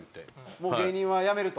もう芸人は辞めると。